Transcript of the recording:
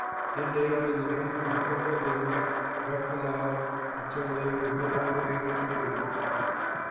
Then David and the people who were with him wept aloud until they were no longer able to weep.